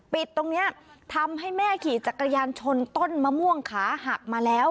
ตรงนี้ทำให้แม่ขี่จักรยานชนต้นมะม่วงขาหักมาแล้ว